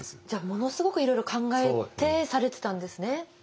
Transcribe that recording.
じゃあものすごくいろいろ考えてされてたんですね。